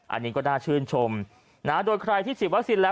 อันนี้ก็น่าชื่นชมนะโดยใครที่ฉีดวัคซีนแล้ว